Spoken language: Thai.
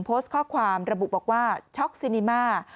โพสต์ข้อความระบุบอกว่าช็อกซินิมา